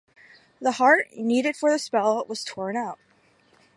The heart, needed for the spell, was torn out.